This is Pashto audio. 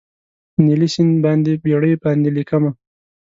نیلي سیند باندې بیړۍ باندې لیکمه